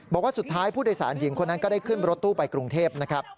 บอกว่าสุดท้ายผู้โดยสารหญิงคนนั้นก็ได้ขึ้นรถตู้ไปกรุงเทพนะครับ